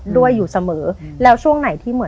ด้วยอยู่เสมอ